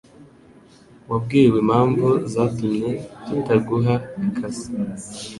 Wabwiwe impamvu zatumye tutaguha akazi?